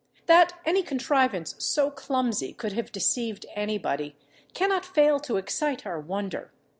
That any contrivance so clumsy could have deceived any body cannot fail to excite our wonder.